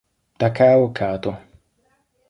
Takao Kato